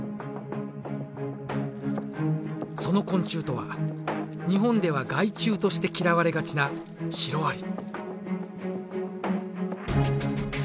その昆虫とは日本では害虫として嫌われがちなシロアリ。